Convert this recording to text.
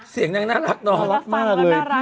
เสียงนางน่ารักเนาะรักมากเลย